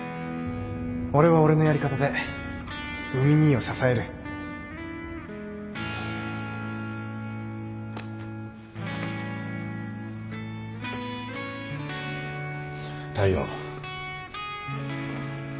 俺は俺のやり方で海兄を支える大陽。